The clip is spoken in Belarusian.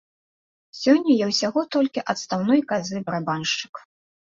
Сёння я ўсяго толькі адстаўной казы барабаншчык.